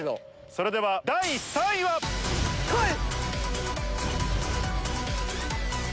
それでは第３位は⁉こい！